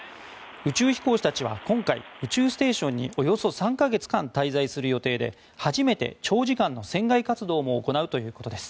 宇宙飛行士たちは今回宇宙ステーションにおよそ３か月間滞在する予定で初めて長時間の船外活動も行うということです。